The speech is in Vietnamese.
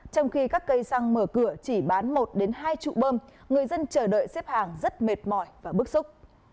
trong khi các cây xăng mở cửa chỉ bán một hai trụ bơm người dân chờ đợi xếp hàng rất mệt mỏi và bức xúc